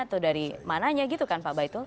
atau dari mananya gitu kan pak baitul